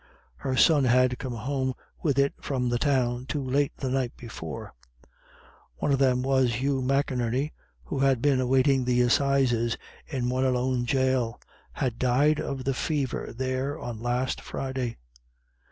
Her son had come home with it from the Town too late the night before. One of them was that Hugh McInerney, who had been awaiting the assizes in Moynalone Jail, had died of the fever there on last Friday.